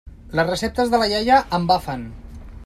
Les receptes de la iaia embafen.